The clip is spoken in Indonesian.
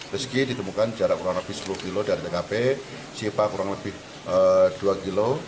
meski ditemukan jarak kurang lebih sepuluh km dari tkp siva kurang lebih dua kilo